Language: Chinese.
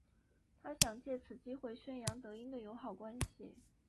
他想借此机会宣扬德英的友好关系。